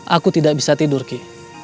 aku tidak bisa tidur ki